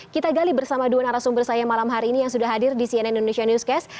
kita gali bersama dua narasumber saya malam hari ini yang sudah hadir di cnn indonesia newscast